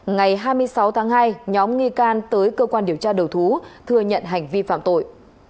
ngày hai mươi sáu tháng hai nhóm nghi can tới cơ quan điều tra đầu thú thừa nhận hành vi phạm tội